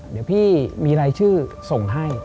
เดี๋ยวพี่มีรายชื่อส่งให้